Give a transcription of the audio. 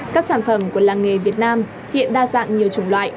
các sản phẩm của làng nghề việt nam hiện đa dạng nhiều chủng loại